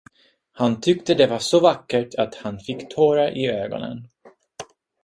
Han tyckte det var så vackert att han fick tårar i ögonen.